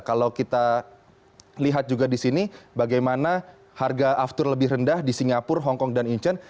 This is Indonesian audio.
kalau kita lihat juga di sini bagaimana harga aftur lebih rendah di singapura hongkong dan incheon